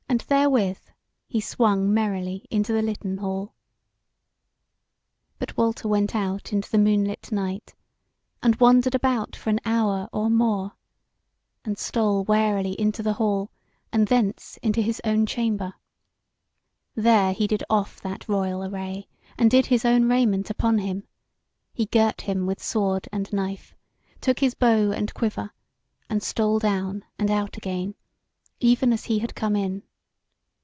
And therewith he swung merrily into the litten hall. But Walter went out into the moonlit night, and wandered about for an hour or more, and stole warily into the hall and thence into his own chamber. There he did off that royal array, and did his own raiment upon him; he girt him with sword and knife, took his bow and quiver, and stole down and out again, even as he had come in.